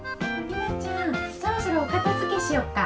そろそろおかたづけしよっか？